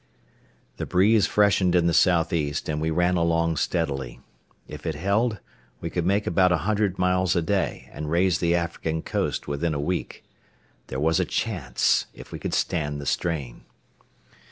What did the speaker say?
The breeze freshened in the southeast, and we ran along steadily. If it held, we could make about a hundred miles a day, and raise the African coast within a week. There was a chance, if we could stand the strain.